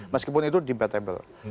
meskipun itu debatable